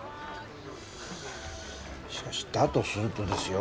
しかしだとするとですよ。